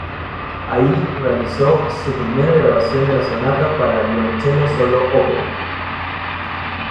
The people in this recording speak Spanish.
Allí realizó su primera grabación de la sonata para violonchelo solo, Op.